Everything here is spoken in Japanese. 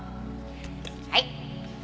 はい。